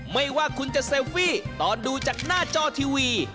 ไม่ว่าคุณจะเซลฟี่ตอนดูจากหน้าจอทีวี